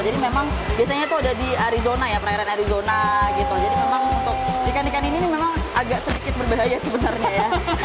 jadi memang biasanya itu ada di arizona ya prairen arizona gitu jadi memang untuk ikan ikan ini ini memang agak sedikit berbahaya sebenarnya ya